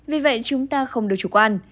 vì vậy chúng ta không được chủ quan